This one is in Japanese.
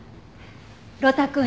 呂太くん